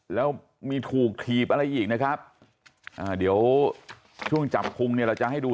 แล้วมีถูกถีบอะไรอีกนะครับเดี๋ยวช่วงจับคุมเนี่ยเราจะให้ดู